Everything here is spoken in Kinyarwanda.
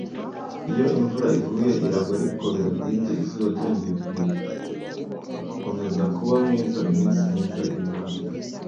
iyo imvura iguye, iragwa ariko bidatinze, izuba ryongeye kumurika komeza kuba mwiza iminsi myiza iri mu nzira